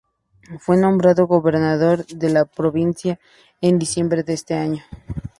Fue nombrado gobernador de la provincia en diciembre de ese año.